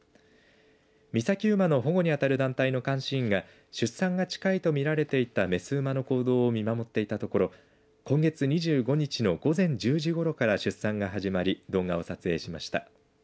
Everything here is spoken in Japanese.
岬馬の保護に当たる団体の監視員が出産が近いと見られていたメス馬の行動を見守っていたところ今月２５日の午前１０時ごろから出産が始まり動画を撮影しました。